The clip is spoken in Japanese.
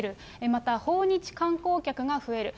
また訪日観光客が増える。